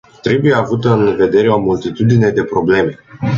Trebuie avută în vedere o multitudine de probleme.